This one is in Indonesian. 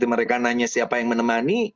mereka nanya siapa yang menemani